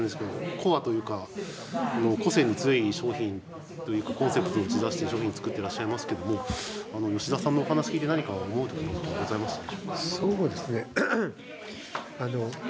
コアというか個性の強い商品というかコンセプトを打ち出して商品をつくっていらっしゃいますけども吉田さんのお話聞いて何か思うところはございましたか？